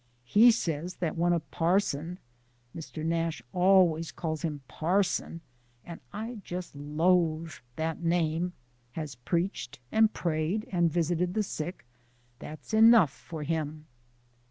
He says that when a parson Mr. Nash always calls him parson, and I just LOATHE that name has preached, and prayed, and visited the sick, that's enough for HIM."